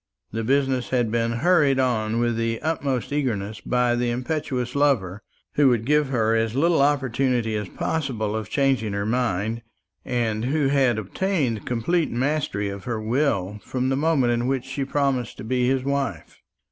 The business had been hurried on with the utmost eagerness by the impetuous lover, who would give her as little opportunity as possible of changing her mind, and who had obtained complete mastery of her will from the moment in which she promised to be his wife.